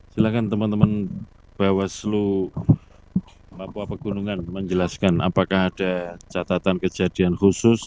silahkan teman teman bawaslu papua pegunungan menjelaskan apakah ada catatan kejadian khusus